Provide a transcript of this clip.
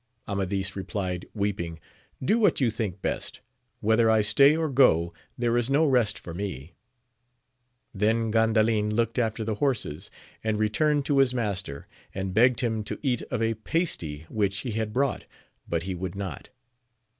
Amadis replied, weeping. Do what yoa think best : whether I stay or go, there is no rest for me ! Then Gandalin looked after the horses, and returned to his master, and begged him to eat of a pasty which he had brought, but he would not.